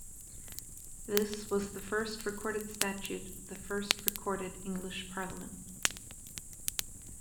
This was the first recorded statute of the first recorded English parliament.